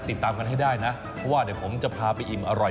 ติดตามกันให้ได้นะเพราะว่าเดี๋ยวผมจะพาไปอิ่มอร่อย